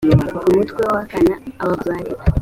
umutwe wakane abakozi ba leta